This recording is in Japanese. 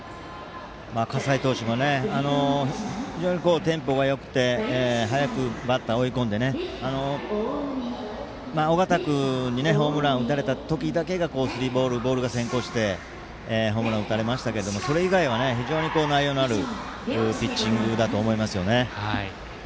葛西投手も非常にテンポがよくて早くバッターを追い込んで尾形君にホームラン打たれた時だけがスリーボールとボールが先行してホームランを打たれましたがそれ以外は非常に内容のあるピッチングだと思いますね。